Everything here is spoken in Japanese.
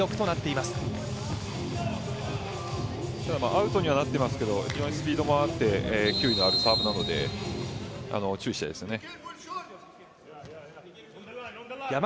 アウトにはなっていますが非常にスピードもあって球威のあるサーブなので注意したいですね。